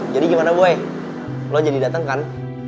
jadi gimana boy lo jadi dateng kan